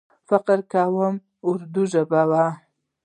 فکر کوم اردو ژبۍ و.